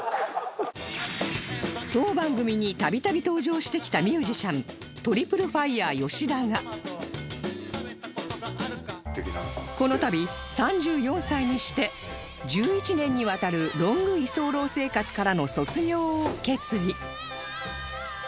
当番組に度々登場してきたミュージシャンこの度３４歳にして１１年にわたるロング居候生活からの卒業を決意